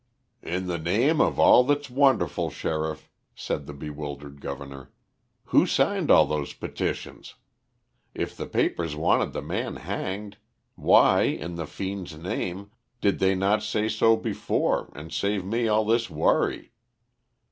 "In the name of all that's wonderful, sheriff," said the bewildered governor, "who signed all those petitions? If the papers wanted the man hanged, why, in the fiend's name, did they not say so before, and save me all this worry?